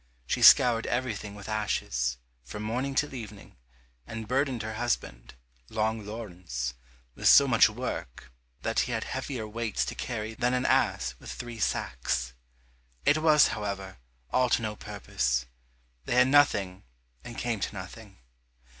She scoured everything with ashes, from morning till evening, and burdened her husband, Long Laurence, with so much work that he had heavier weights to carry than an ass with three sacks. It was, however, all to no purpose, they had nothing and came to nothing.